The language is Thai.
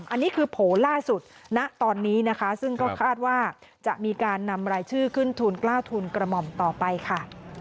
อันนี้คือโผล่ล่าสุดณตอนนี้นะคะซึ่งก็คาดว่าจะมีการนำรายชื่อขึ้นทุนกล้าทุนกระหม่อมต่อไปค่ะ